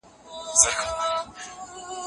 د سیاست او علم اړیکه ډېره پخوانۍ ده.